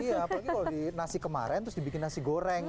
iya apalagi kalau di nasi kemarin terus dibikin nasi goreng